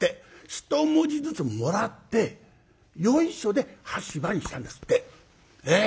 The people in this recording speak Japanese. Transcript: １文字ずつもらってよいしょで「羽柴」にしたんですって。